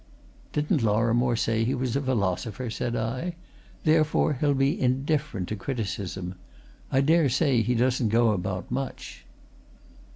"Didn't Lorrimore say he was a philosopher?" said I. "Therefore he'll be indifferent to criticism. I dare say he doesn't go about much."